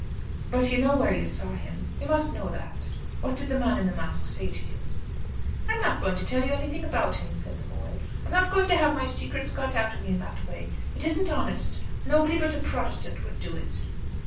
"But you know where you saw him. You must know that. What did the man in the mask say to you?" "I am not going to tell you anything about him," said the boy. "I am not going to have my secrets got out of me in that way. It isn't honest. Nobody but a Protestant would do it."